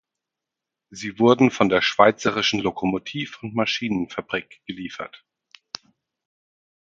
Sie wurden von der Schweizerischen Lokomotiv- und Maschinenfabrik geliefert.